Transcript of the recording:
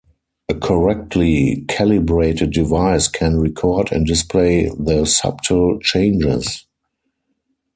A correctly calibrated device can record and display the subtle changes.